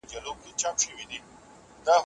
که مقاومت ونه کړې، ماتې به وخورې.